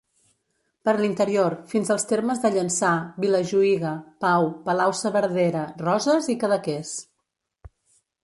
Per l'interior, fins als termes de Llançà, Vilajuïga, Pau, Palau-saverdera, Roses i Cadaqués.